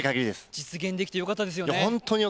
実現できてよかったですよね。